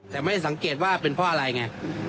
แต่ไม่สังเกตว่าเป็นเพราะอะไรไง